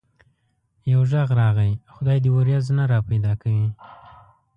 يو غږ راغی: خدای دي وريځ نه را پيدا کوي.